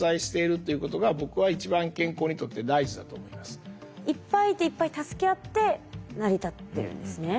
多様性のあるいっぱいいていっぱい助け合って成り立ってるんですね。